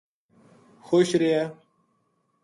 خوش رہیا